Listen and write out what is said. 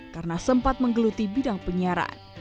karena sempat menggeluti bidang penyiaran